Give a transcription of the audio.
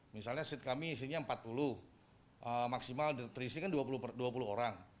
misalnya seat kami isinya empat puluh maksimal terisi kan dua puluh orang